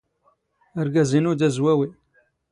ⴰⵔⴳⴰⵣ ⵉⵏⵓ ⴷ ⴰⵣⵡⴰⵡⵉ.